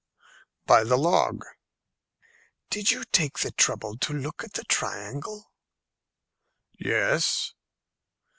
"By the log." "Did you take the trouble to look at the triangle?" "Yes."